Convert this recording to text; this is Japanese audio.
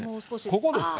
ここですか？